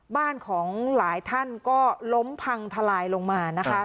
บ้านของหลายท่านก็ล้มพังทลายลงมานะคะ